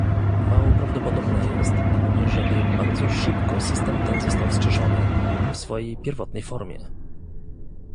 Mało prawdopodobne jest, żeby bardzo szybko system ten został wskrzeszony, w swojej pierwotnej formie